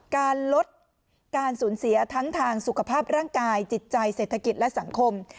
การลดการสูญเสียทั้งทางสุขภาพร่างกายจิตใจเศรษฐกิจและสังคม